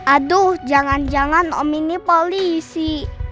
aduh jangan jangan om ini polisi